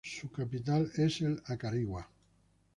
Su capital es el Acarigua.